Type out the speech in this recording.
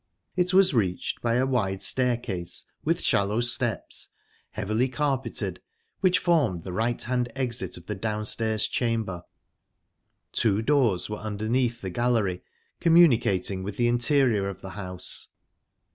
It was reached by a wide staircase, with shallow steps, heavily carpeted, which formed the right hand exit of the downstairs chamber. Two doors were underneath the gallery, communicating with the interior of the house.